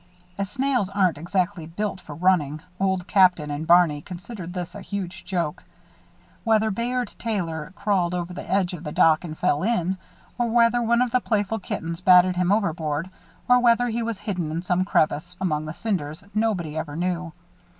As snails aren't exactly built for running, Old Captain and Barney considered this a huge joke. Whether Bayard Taylor crawled over the edge of the dock and fell in, or whether one of the playful kittens batted him overboard, or whether he was hidden in some crevice among the cinders, nobody ever knew.